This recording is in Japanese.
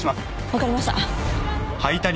分かりました。